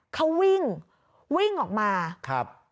เขาวิ่งวิ่งออกมา